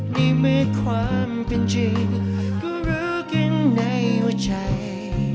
นี่ไม่ความเป็นจริงก็รักกันในหัวใจ